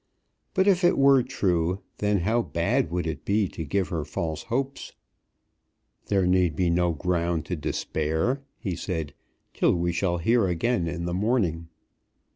But if it were true, then how bad would it be to give her false hopes! "There need be no ground to despair," he said, "till we shall hear again in the morning."